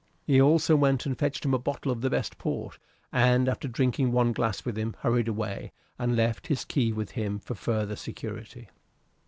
He also went and fetched him a bottle of the best port, and after drinking one glass with him, hurried away, and left his key with him for further security.